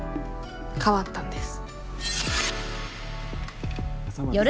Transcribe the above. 変わったんです。